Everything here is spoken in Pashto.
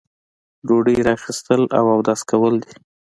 ډوډۍ را اخیستل او اودس کول دي.